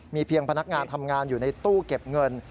เพียงพนักงานทำงานอยู่ในตู้เก็บเงิน